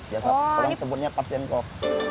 kurang sebutnya pasien kok